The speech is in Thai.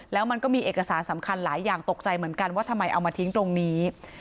แล้วมันก็มีเอกสารสำคัญหลายอย่างตกใจเหมือนกันว่าทำไมเอามาทิ้งตรงนี้